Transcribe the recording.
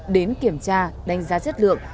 đến kiểm tra đánh giá chất lượng